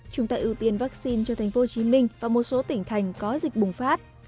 chúng ta ưu tiên vaccine cho tp hcm và một số tỉnh thành có dịch bùng phát